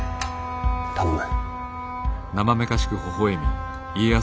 頼む。